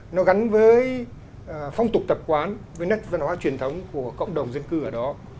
nó gắn với phong tục thập quán với nét dân hoa truyền thống của cộng đồng dân cư ở đó